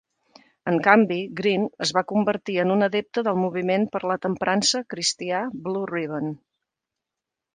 En canvi, Green es va convertir en un adepte del Moviment per la Temprança cristià, Blue Ribbon.